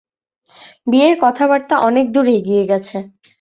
বিয়ের কথাবার্তা অনেক দূর এগিয়ে গেছে।